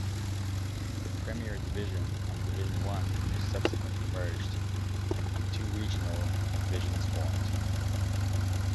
The Premier Division and Division One were subsequently merged, and two regional divisions formed.